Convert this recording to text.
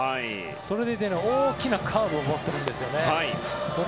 それでいて、大きなカーブを持っているんですよね。